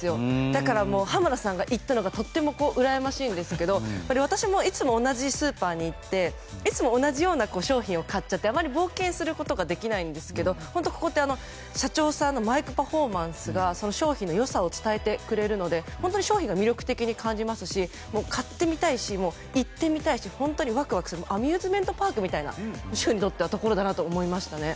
だから、濱田さんが行ったのがとてもうらやましいんですが私もいつも同じスーパーに行っていつも同じような商品を買っちゃって余り冒険することができないんですけどここって社長さんのマイクパフォーマンスが商品の良さを伝えてくれるので商品に魅力を感じますし買ってみたいし、行ってみたいし本当にワクワクするアミューズメントパークみたいな主婦にとってはそう思いました。